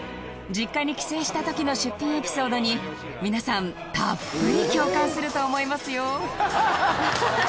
実家に帰省した時の出品エピソードに皆さんたっぷり共感すると思いますよ